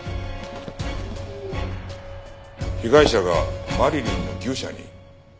被害者がマリリンの牛舎に？